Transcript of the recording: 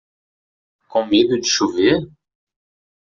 Com medo de chover?